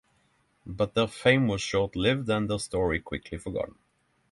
But their fame was short-lived and their story quickly forgotten.